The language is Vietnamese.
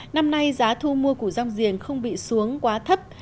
năm nay giá thu mua củ rong giềng không bị xuống quá thấp